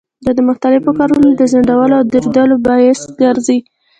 دا د مختلفو کارونو د ځنډېدلو او درېدلو باعث ګرځي.